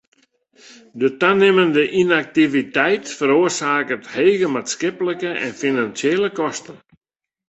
De tanimmende ynaktiviteit feroarsaket hege maatskiplike en finansjele kosten.